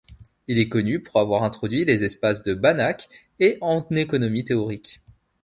Il est connu pour avoir introduit les espaces de Banach et en économie théorique.